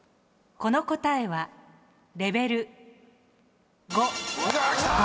この答えはレベル３。